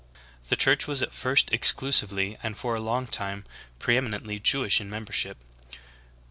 ^ The Church was at first exclusively and for a long time pre eminently Jewish in membership.